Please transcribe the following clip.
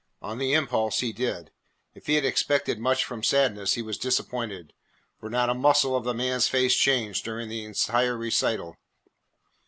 On the impulse he did. If he had expected much from Sadness he was disappointed, for not a muscle of the man's face changed during the entire recital.